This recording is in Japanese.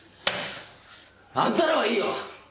あんたらはいいよ！